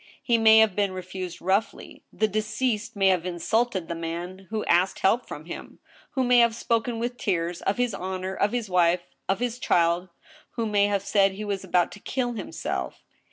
He may have been refused roughly. The deceased may have insulted the man who asked help from him, .•. who may have spoken with tears, of his honor, of his wife, of his child — who may have said he was about to kill himself.